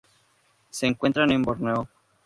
Se encuentran en Borneo.